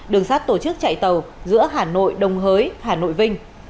đường sát tổ chức chạy tàu giữa hà nội đồng hới hà nội vinh